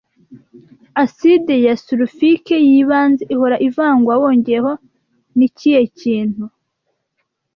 Acide ya sulfurike yibanze ihora ivangwa wongeyeho nikihe kintu